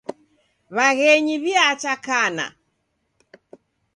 Waghenyi wiacha kana.